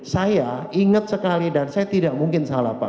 saya ingat sekali dan saya tidak mungkin salah pak